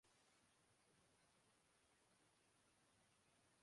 ایران کی team FIFA World cup سے باہرمداحوں کا پھر بھی جشن